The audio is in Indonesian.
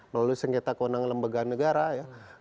melalui sengketa kewenangan lembaga negara ya